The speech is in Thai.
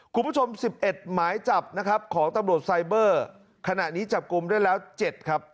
คุณผู้ชม๑๑หมายจับนะครับของตำรวจไซเบอร์ขณะนี้จับกลุ่มได้แล้ว๗ครับ